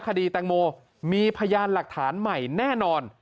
คดีแตงโมมีพยานหลักฐานใหม่แน่นอน